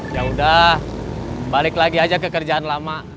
yaudah balik lagi aja ke kerjaan lama